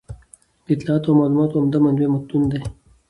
د اطلاعاتو او معلوماتو عمده منبع متون دي.